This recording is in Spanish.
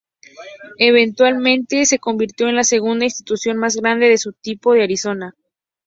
Eventualmente se convirtió en la segunda institución más grande de su tipo en Arizona.